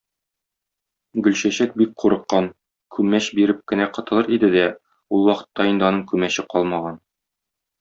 Гөлчәчәк бик курыккан, күмәч биреп кенә котылыр иде дә, ул вакытта инде аның күмәче калмаган.